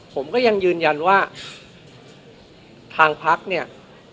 ผมก็ยังยืนยันว่าทางพักเนี่ย